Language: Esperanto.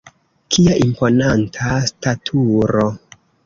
Kia imponanta staturo!